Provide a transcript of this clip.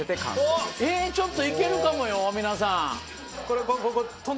ちょっといけるかもよ皆さん。